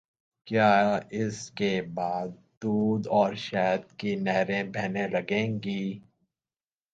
کیا اس کے بعد دودھ اور شہد کی نہریں بہنے لگیں گی؟